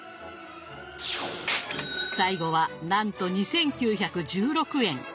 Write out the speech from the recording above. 最後はなんと２，９１６円。